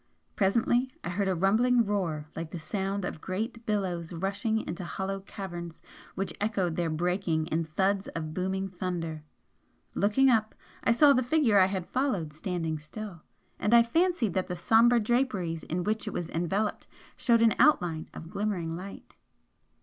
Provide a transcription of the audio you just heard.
Presently I heard a rumbling roar like the sound of great billows rushing into hollow caverns which echoed their breaking in thuds of booming thunder. Looking up, I saw the Figure I had followed standing still; and I fancied that the sombre draperies in which it was enveloped showed an outline of glimmering light.